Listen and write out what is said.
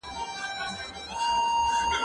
زه بايد پاکوالي وساتم،